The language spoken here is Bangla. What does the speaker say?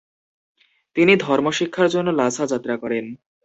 তিনি ধর্মশিক্ষার জন্য লাসা যাত্রা করেন।